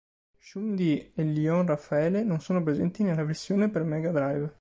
Shun-Di e Lion Rafale non sono presenti nella versione per Mega Drive